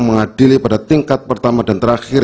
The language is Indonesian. mengadili pada tingkat pertama dan terakhir